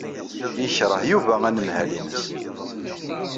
Yekṛeh Yuba anemhal-ines.